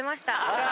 あら。